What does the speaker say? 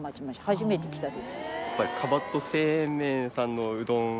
初めて来た時。